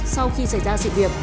sau khi xảy ra sự việc